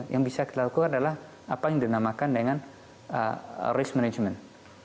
yang bisa kita lakukan adalah apa yang dinamakan dengan risk management